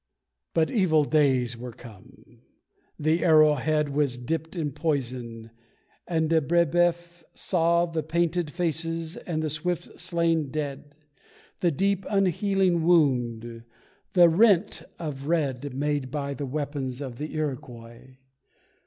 But evil days were come. The arrowhead Was dipped in poison, and de Breboeuf saw The painted faces and the swift slain dead, The deep, unhealing wound the rent of red Made by the weapon of the Iroquois.